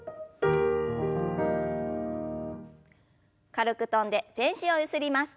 軽く跳んで全身をゆすります。